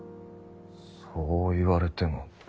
そう言われても。